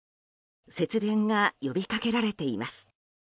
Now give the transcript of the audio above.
節電が呼びかけられています。